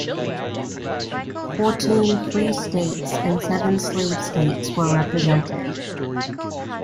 Fourteen free states and seven slave states were represented.